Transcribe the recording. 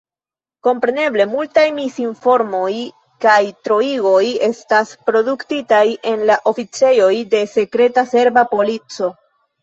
Kompreneble, multaj misinformoj kaj troigoj estas produktitaj en la oficejoj de sekreta serba polico.